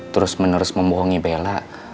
terus menerus membohongi bella